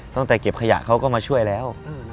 ตั้งแต่เก็บขยะเขาก็มาช่วยแล้ว